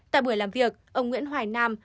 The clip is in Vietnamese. tại buổi làm việc ông nguyễn hoài nam